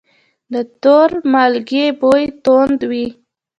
د تور مالګې بوی توند وي.